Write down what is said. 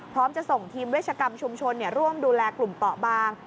จะส่งทีมเวชกรรมชุมชนร่วมดูแลกลุ่มเปาะบาง